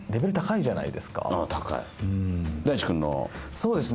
そうですね